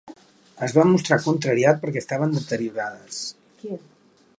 Es va mostrar contrariat perquè estaven deteriorades.